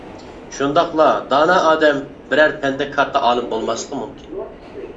شۇنداقلا «دانا ئادەم» بىرەر پەندە كاتتا ئالىم بولماسلىقى مۇمكىن.